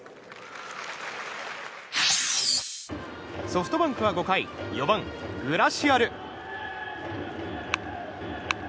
ソフトバンクは５回４番、グラシアル。